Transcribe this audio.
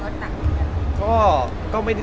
เพราะผู้หญิงก็จะเบดของเนิร์ดดังกัน